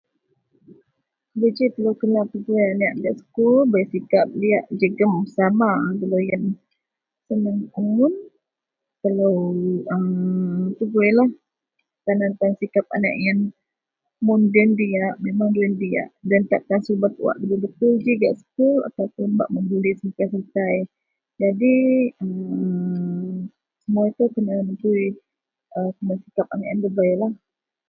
Beji telo kena pegui telo anek gak sekul bersikap diyak sama jegem doloyen mun telo peguilah tan aan sikap anek-anek iyen mun geng diyak memang diyak wak sibet ji dabei betul gak sekul atau bak membuli sakai-sakai jadi mun mmm [unintelligible] sikap anek iyen debei